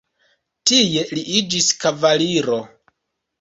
Tie li iĝis kavaliro.